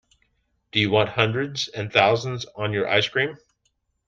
Do you want hundreds and thousands on your ice cream?